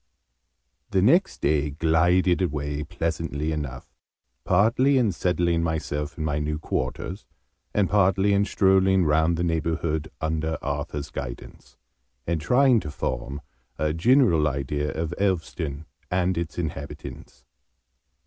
The next day glided away, pleasantly enough, partly in settling myself in my new quarters, and partly in strolling round the neighbourhood, under Arthur's guidance, and trying to form a general idea of Elveston and its inhabitants.